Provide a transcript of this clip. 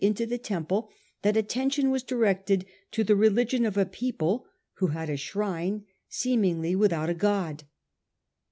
^ 63 imto the Temple that attention was directed A.D. 66. | Q religion of a people who had a shrine seemingly without a god.